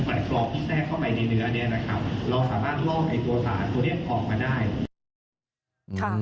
เพราะว่าตัวสารตัวนี้ออกมาได้